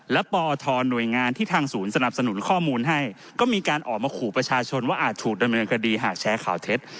และปอทหน่วยงานที่ทางศูนย์สนับสนุนข้อมูลให้ก็มีการออกมาขู่ประชาชนว่าอาจถูกดำเนินคดีหากแชร์ข่าวเท็จ